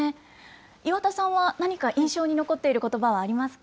岩田さんは何か印象に残っていることばはありますか？